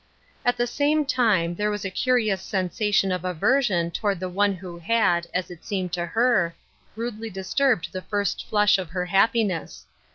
At the same time there was a curious sensa tion of aversion toward the one who had, as it seemed to her, rudely disturbed the first flush of her happiness.